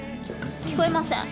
聞こえません。